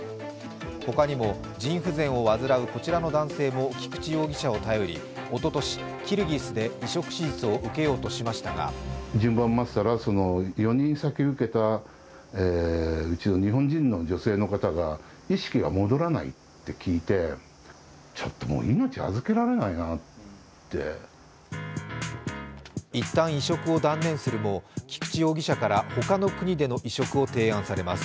他にも腎不全を患うこちらの男性も菊池容疑者を頼り、おととし、キルギスで移植手術を受けようとしましたが一旦、移植を断念するも、菊池容疑者から他の国での移植を提案されます。